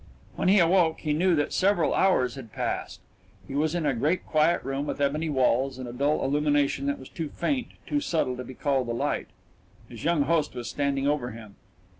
When he awoke he knew that several hours had passed. He was in a great quiet room with ebony walls and a dull illumination that was too faint, too subtle, to be called a light. His young host was standing over him.